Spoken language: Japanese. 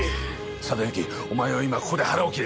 定行お前は今ここで腹を切れ。